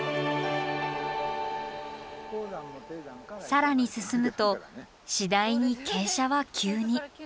更に進むと次第に傾斜は急に。